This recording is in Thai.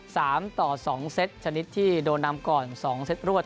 สามต่อสองเซตชนิดที่โดนนำก่อนสองเซตรวด